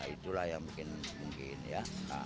itulah yang mungkin ya